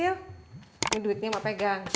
ini duitnya mak pegang